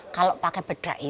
kok lo baru dibilang